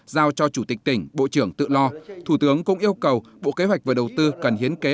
giao cho chủ tịch tỉnh bộ trưởng tự lo thủ tướng cũng yêu cầu bộ kế hoạch và đầu tư cần hiến kế